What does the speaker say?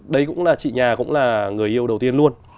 đấy cũng là chị nhà cũng là người yêu đầu tiên luôn